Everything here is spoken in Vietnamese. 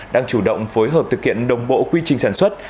đang chủ động phối hợp thực hiện đồng bộ quy trình sản xuất